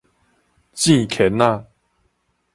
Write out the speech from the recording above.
糋圈仔